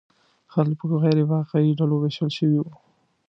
خلک په غیر واقعي ډلو ویشل شوي وو.